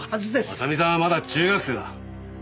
麻美さんはまだ中学生だ。